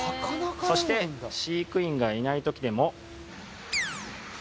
そして飼育員がいない時でも。